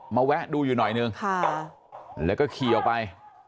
แวะดูอยู่หน่อยนึงแล้วก็ขี่ออกไป